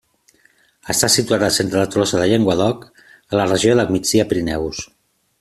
Està situat al centre de Tolosa de Llenguadoc, a la regió del Migdia-Pirineus.